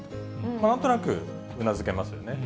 なんとなくうなずけますよね。